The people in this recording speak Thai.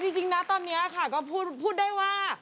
ครับจริงนะค่ะก็พูดได้ว่า